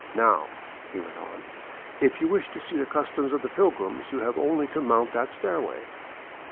Now," he went on, *' if you wish to see the customs of the pilgrims, you have only to mount that stairway."